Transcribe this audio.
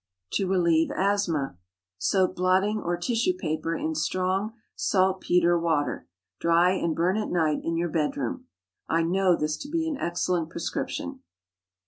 TO RELIEVE ASTHMA. Soak blotting or tissue paper in strong saltpetre water. Dry, and burn at night in your bed room. I know this to be an excellent prescription.